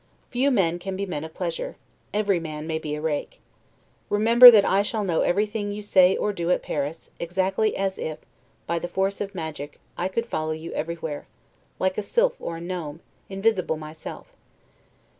Few men can be men of pleasure, every man may be a rake. Remember that I shall know everything you say or do at Paris, as exactly as if, by the force of magic, I could follow you everywhere, like a sylph or a gnome, invisible myself.